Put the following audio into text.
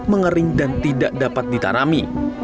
mengering dan tidak dapat ditanami